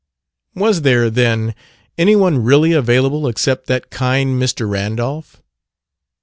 Was there, then, anyone really available except that kind Mr. Randolph?